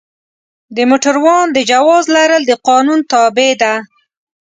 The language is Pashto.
د موټروان د جواز لرل د قانون تابع ده.